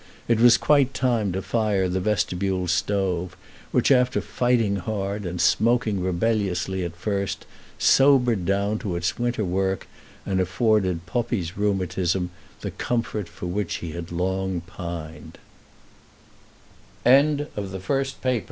It was quite time to fire the vestibule stove, which, after fighting hard and smoking rebelliously at first, sobered down to its winter work, and afforded Poppi's rheumatism the comfort for which he had lo